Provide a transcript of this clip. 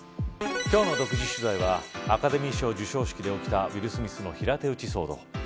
今日の独自取材はアカデミー賞授賞式で起きたウィル・スミスの平手打ち騒動。